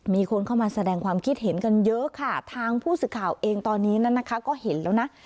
มีคนเข้ามาแสดงความคิดเห็นกันเยอะค่ะทางผู้สื่อข่าวเองตอนนี้นะคะก็เห็นแล้วนะ